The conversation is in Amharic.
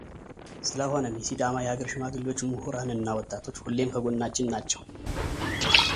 ስለሆነም የሲዳማ የሀገር ሽማግሌዎች ምሁራን እና ወጣቶች ሁሌም ከጎናችን ናቸው